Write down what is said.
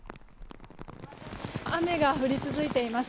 雨が降り続いています。